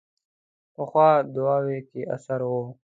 پخو دعاوو کې اثر وي